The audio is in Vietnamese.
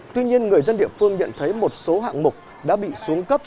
tuy nhiên người dân địa phương nhận thấy một số hạng mục đã bị xuống cấp